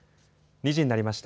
２時になりました。